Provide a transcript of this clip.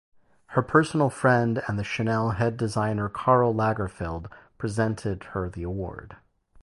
Her personal friend and the Chanel head designer Karl Lagerfeld presented her the award.